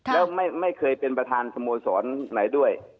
แล้วไม่เคยเป็นประธานสโมสรไหนด้วย